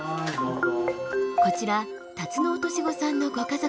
こちらタツノオトシゴさんのご家族。